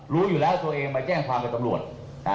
รู้อยู่แล้วตัวเองมาแจ้งความกับตำรวจ